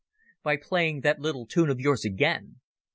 "By playing that little tune of yours again.